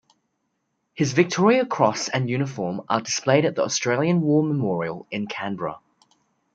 His Victoria Cross and uniform are displayed at the Australian War Memorial in Canberra.